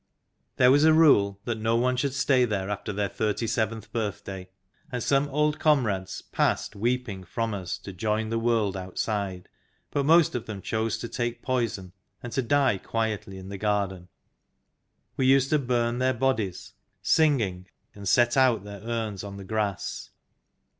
There was a rule that no one should stay there after their thirty seventh birthday, and some old comrades passed weeping from us to join the World Outside. But most of them chose to take poison and to die quietly in the Garden ; we used to burn their bodies, singing, and set out their urns on the grass.